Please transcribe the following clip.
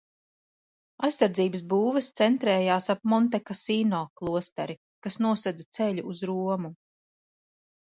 Aizsardzības būves centrējās ap Montekasīno klosteri, kas nosedza ceļu uz Romu.